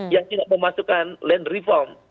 yang tidak memasukkan land reform